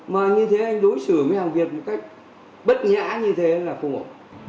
mà như thế đối xử với hàng việt một cách bất nhã như thế là không ổn